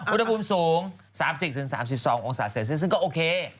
อุณหภูมิสูง๓๐๓๒องศาเซลเซียสซึ่งก็โอเค